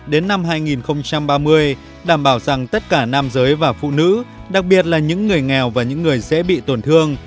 đến năm hai nghìn ba mươi đảm bảo rằng tất cả nam giới và phụ nữ đặc biệt là những người nghèo và những người dễ bị tổn thương